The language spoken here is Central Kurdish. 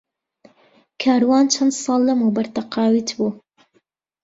کاروان چەند ساڵ لەمەوبەر تەقاویت بوو.